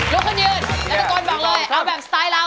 ลุกขึ้นยืนแล้วตะโกนบอกเลยเอาแบบสไตล์เรา